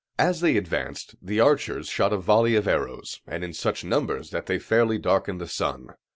As they advanced, the archers shot a volley of arrows, and in such numbers that they fairly darkened the sun.